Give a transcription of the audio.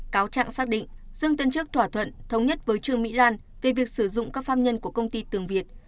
cáo trạng xác định dương tên trước thỏa thuận thống nhất với trương mỹ lan về việc sử dụng các pháp nhân của công ty tường việt